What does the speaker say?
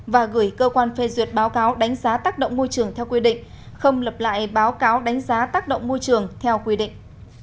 và gửi cơ quan phê duyệt báo cáo đánh giá tác động môi trường theo quy định không lập lại báo cáo đánh giá tác động môi trường theo quy định